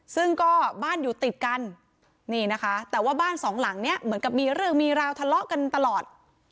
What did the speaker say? ซึ่งก็บ้านอยู่ติดกันนี่นะคะแต่ว่าบ้านสองหลังเนี่ยเหมือนกับมีเรื่องมีราวทะเลาะกันตลอด